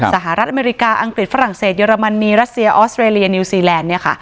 สหรัฐอเมริกาอังกฤษฝรั่งเศสเยอรมนีรัสเซียออสเตรเลียนิวซีแลนด์เนี่ยค่ะ